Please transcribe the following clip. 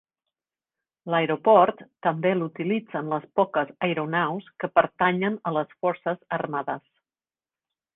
L'aeroport també l'utilitzen les poques aeronaus que pertanyen a les forces armades.